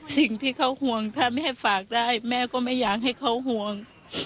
สิ่งที่เขาห่วงถ้าแม่ฝากได้แม่ก็ไม่อยากให้เขาห่วง